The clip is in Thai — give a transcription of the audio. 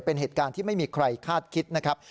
เป็นเหตุการณ์ที่ไม่มีใครคาดคิดนะครับ